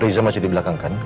riza masih di belakang kan